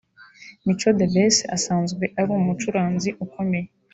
Mico The Best asanzwe ari umucuranzi ukomeye